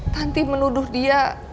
tanti menuduh dia